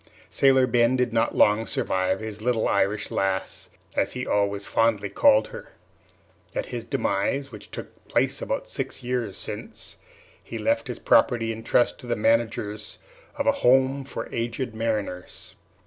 Sailor Ben did not long survive his little Irish lass, as he always fondly called her. At his demise, which took place about six years since, he left his property in trust to the managers of a "Home for Aged Mariners."